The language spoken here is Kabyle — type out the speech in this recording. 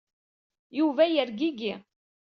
Yuba yergigi.